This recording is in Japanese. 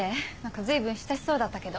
随分親しそうだったけど。